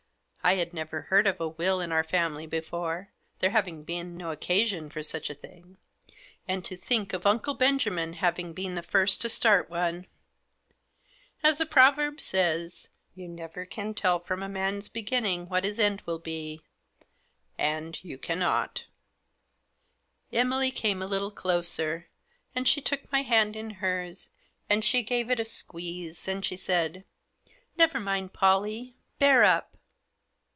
I had never heard of a will in our family before, there having been no occasion for such a thing. And to think of Uncle Benjamin having been the first to start one ! As the proverb says, you never can tell from a man's begin ning what his end will be — and you cannot, Emily came a little closer, and she took my Digitized by 46 THE JOSS. hand in hers, and she gave it a squeeze, and she said :" Never mind, Pollie ! bear up